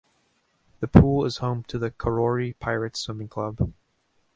The pool is home to the Karori Pirates swimming club.